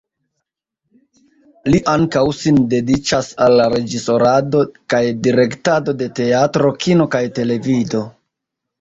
Li ankaŭ sin dediĉas al la reĝisorado kaj direktado de teatro, kino kaj televido.